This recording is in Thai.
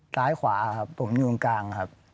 ซ้ายขวาครับผมอยู่ตรงกลางครับ